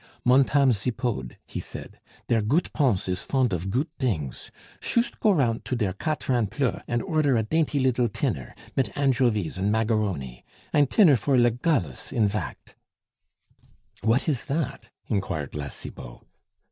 "Montame Zipod," he said, "der goot Pons is fond of goot dings; shoost go rount to der Catran Pleu und order a dainty liddle tinner, mit anjovies und maggaroni. Ein tinner for Lugullus, in vact." "What is that?" inquired La Cibot.